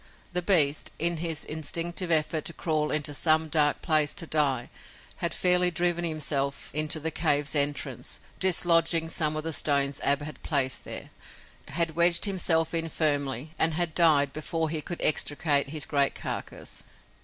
The beast, in his instinctive effort to crawl into some dark place to die, had fairly driven himself into the cave's entrance, dislodging some of the stones Ab had placed there, had wedged himself in firmly, and had died before he could extricate his great carcass.